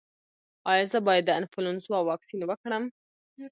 ایا زه باید د انفلونزا واکسین وکړم؟